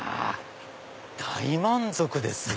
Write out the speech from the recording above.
大満足ですよ。